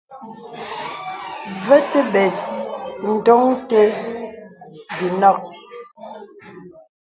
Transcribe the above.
Və atə̀ bəs ndɔŋ té bi nɔk.